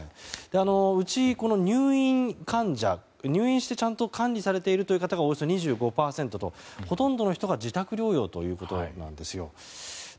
うち入院患者、入院してちゃんと管理されている方がおよそ２５％と、ほとんどの人が自宅療養ということなんですよ。